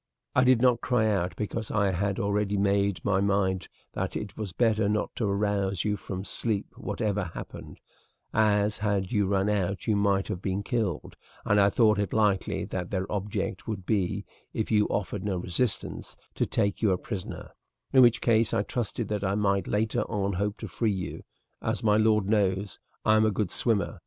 "I did not cry out, because I had already made up my mind that it was better not to arouse you from sleep whatever happened, as, had you run out, you might have been killed, and I thought it likely that their object would be, if you offered no resistance, to take you a prisoner, in which case I trusted that I might later on hope to free you. As my lord knows, I am a good swimmer.